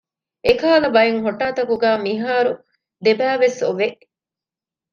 އެކަހަލަ ބައެއް ހޮޓާ ތަކުގައި މިހާރު ދެބައި ވެސް އޮވެ